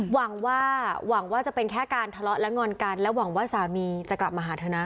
หวังว่าหวังว่าจะเป็นแค่การทะเลาะและงอนกันและหวังว่าสามีจะกลับมาหาเธอนะ